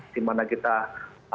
di mana kita harus mendapatkan